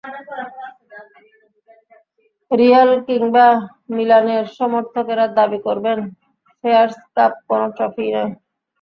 Real কিংবা মিলানের সমর্থকেরা দাবি করবেন, ফেয়ারস কাপ কোনো ট্রফিই নয়।